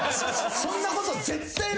そんなこと絶対ない。